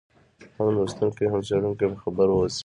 هم لوستونکی هم څېړونکی په خبر واوسي.